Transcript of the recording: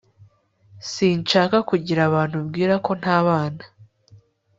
sinshaka kugira abantu bibwira ko ntabana